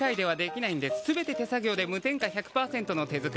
全て手作業で無添加１００％の手作り。